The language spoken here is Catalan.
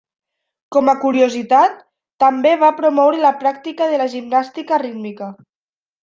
Com a curiositat, també va promoure la pràctica de la gimnàstica rítmica.